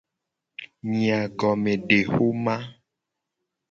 Nyagomedexoma.